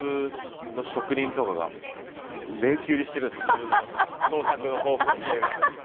自分の創作の方向性を。